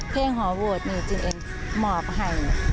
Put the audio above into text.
เพลงหอโหดนี่จนเองหมอบให้